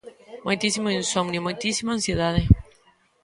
Moitísimo insomnio, moitísima ansiedade.